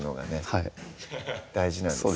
はい大事なんですね